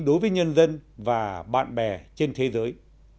đối với nhân dân và bạn bè trên thế giới